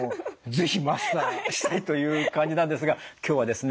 是非マスターしたいという感じなんですが今日はですね